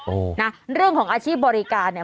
โอ้โหนะเรื่องของอาชีพบริการเนี่ย